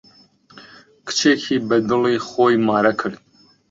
کچێکی بە دڵی خۆی مارە کرد.